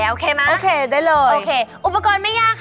โอเคไหมโอเคได้เลยโอเคอุปกรณ์ไม่ยากค่ะ